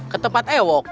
ke tempat ewok